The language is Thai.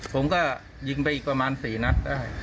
ผมก็ยิงไปอีกประมาณ๔นัดได้